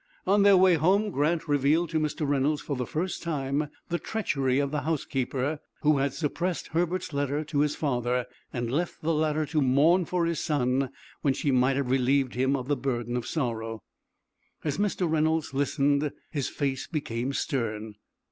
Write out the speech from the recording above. On their way home Grant revealed to Mr. Reynolds for the first time the treachery of the housekeeper, who had suppressed Herbert's letter to his father, and left the latter to mourn for his son when she might have relieved him of the burden of sorrow. As Mr. Reynolds listened, his face became stern.